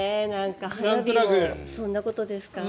花火もそんなことですか。